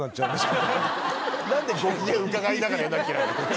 何でご機嫌うかがいながらやんなきゃいけないのこっちが。